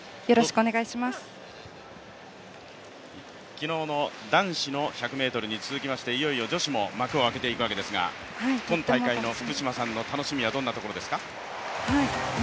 昨日の男子の１００ｍに続きまして、いよいよ女子も幕を開けていくわけなんですが今大会の福島さんの楽しみはどんなところですか？